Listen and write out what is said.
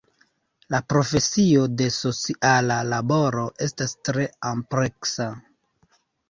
La profesio de sociala laboro estas tre ampleksa.